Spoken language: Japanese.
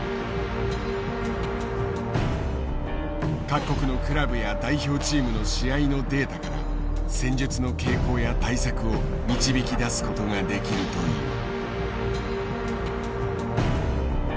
各国のクラブや代表チームの試合のデータから戦術の傾向や対策を導き出すことができるという。